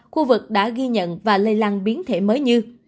khu vực đã ghi nhận và lây lan biến thể mới như